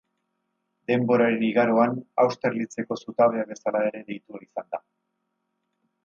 Denboraren igaroan Austerlitzeko zutabea bezala ere deitua izan da.